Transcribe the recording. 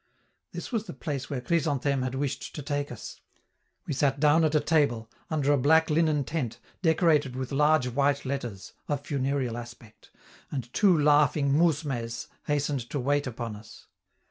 This was the place where Chrysantheme had wished to take us. We sat down at a table, under a black linen tent decorated with large white letters (of funereal aspect), and two laughing 'mousmes' hastened to wait upon us.